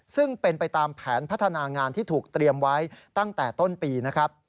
ซึ่งเป็นไปตามแผนพัฒนางานที่ถูกเตรียมไว้ตั้งแต่ต้นปีนะครับ